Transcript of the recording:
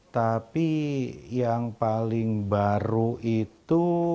tapi yang paling baru itu